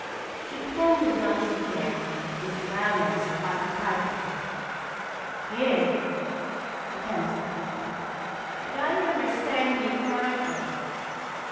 She pretended not to hear but Mr. Brownell supplied the title. "'Kim,'" the chemist repeated. "Did I understand you correctly?"